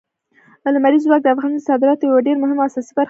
لمریز ځواک د افغانستان د صادراتو یوه ډېره مهمه او اساسي برخه ده.